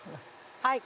はい。